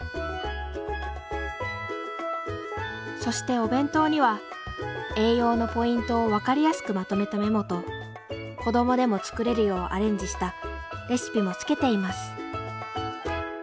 そしてお弁当には栄養のポイントを分かりやすくまとめたメモと子どもでも作れるようアレンジしたレシピもつけています。